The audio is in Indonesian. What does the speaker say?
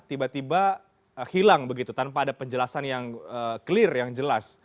tiba tiba hilang begitu tanpa ada penjelasan yang clear yang jelas